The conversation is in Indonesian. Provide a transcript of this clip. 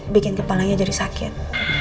bikin kepalanya jadi sakit